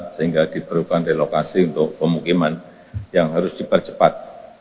sehingga diperlukan relokasi untuk pemukiman yang harus dipercepat